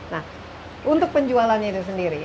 nah untuk penjualannya itu sendiri